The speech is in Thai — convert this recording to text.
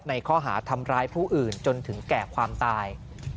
ข้อหาทำร้ายผู้อื่นจนถึงแก่ความตาย